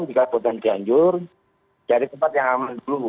jika ke kota cianjur cari tempat yang aman dulu